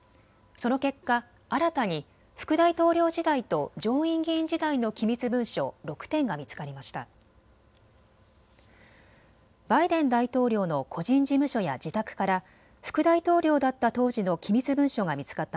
その結果、新たに副大統領時代と上院議員時代の機密文書６点が見つかりました。